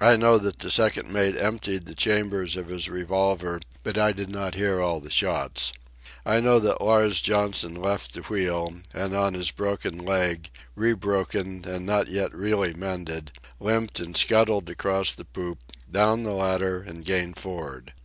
I know that the second mate emptied the chambers of his revolver, but I did not hear all the shots. I know that Lars Johnson left the wheel, and on his broken leg, rebroken and not yet really mended, limped and scuttled across the poop, down the ladder, and gained for'ard.